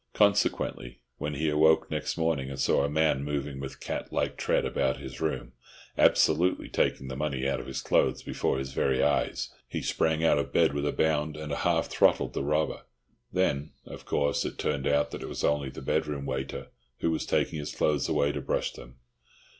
Consequently, when he awoke next morning and saw a man moving with cat like tread about his room, absolutely taking the money out of his clothes before his very eyes, he sprang out of bed with a bound and half throttled the robber. Then, of course, it turned out that it was only the bedroom waiter, who was taking his clothes away to brush them.